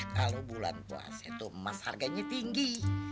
kalo bulan puase tuh emas harganya tinggi